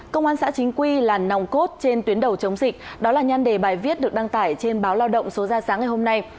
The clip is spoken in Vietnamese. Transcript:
công an xã chính quy là nòng cốt trên tuyến đầu chống dịch đó là nhan đề bài viết được đăng tải trên báo lao động số ra sáng ngày hôm nay